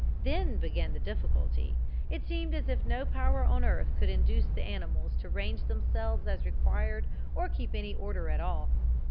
Then began the difficulty. It seemed as if no power on earth could induce the animals to range themselves as required or to keep any order at all.